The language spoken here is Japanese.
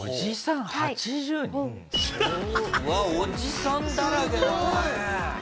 うわっおじさんだらけだね！